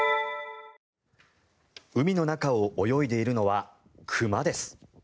海の中を泳いでいるのは熊です。